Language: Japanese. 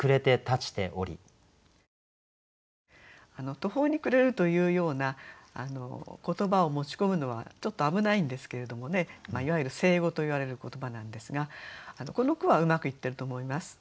「途方に暮れる」というような言葉を持ち込むのはちょっと危ないんですけれどもねいわゆる成語といわれる言葉なんですがこの句はうまくいってると思います。